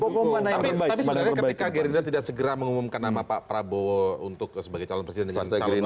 tapi sebenarnya ketika gerindra tidak segera mengumumkan nama pak prabowo untuk sebagai calon presiden dengan calon presiden